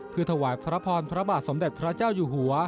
เพื่อถวายพระพรพระบาทสมเด็จพระเจ้าอยู่หัว